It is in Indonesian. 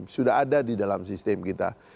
sudah ada di dalam sistem kita